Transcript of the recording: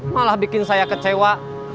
malah bikin saya kecewa